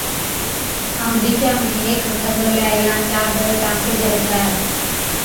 ائُون بچا ۾ ھيڪ کنڌولي يان چادر ٽانڪجي ڇَي